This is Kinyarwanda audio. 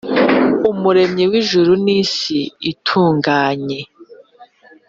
umuremyi w ijuru n isi itunganye